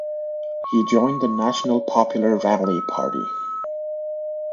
He joined the National Popular Rally party.